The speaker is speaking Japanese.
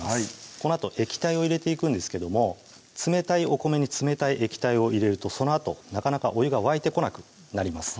このあと液体を入れていくんですけども冷たいお米に冷たい液体を入れるとそのあとなかなかお湯が沸いてこなくなります